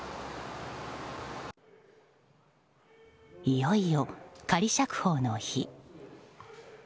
いよいよ仮釈放の日。